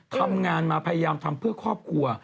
ทำงานมาพยายามทำเพื่อครอบครัว